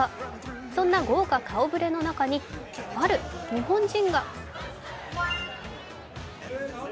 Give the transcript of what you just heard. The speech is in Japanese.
そんな豪華顔ぶれの中に、ある日本人が。